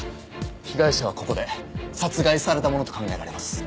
被害者はここで殺害されたものと考えられます。